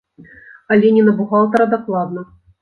Але не на бухгалтара дакладна.